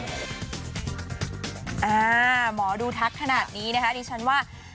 หมอดูทักขนาดนี้นะคะดิฉันว่า